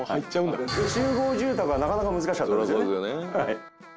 集合住宅はなかなか難しかったですよね。